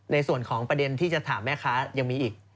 ในส่วนของประเด็นที่จะถามแม่ค้ายังมีอีก